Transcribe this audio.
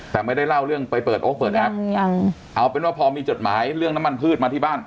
แต่ไม่ได้เล่าเรื่องไปเปิดโอ๊คเปิดแอปเอาเป็นว่าพอมีจดหมายเรื่องน้ำมันพืชมาที่บ้าน